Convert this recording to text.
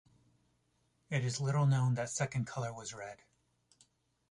It is little known that second color was red.